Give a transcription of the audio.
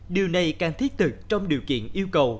điều này càng thiết thực trong điều kiện yêu cầu